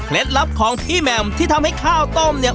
ลับของพี่แหม่มที่ทำให้ข้าวต้มเนี่ย